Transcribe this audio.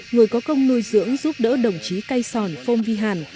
người có công nuôi dưỡng giúp đỡ đồng chí cây sòn phong vi hàn